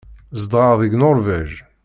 Zedɣeɣ deg Nuṛwij.